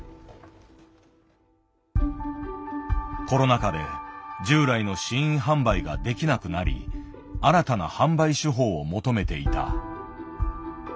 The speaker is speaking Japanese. コロナ禍で従来の「試飲販売」ができなくなり新たな販売手法を求めていた。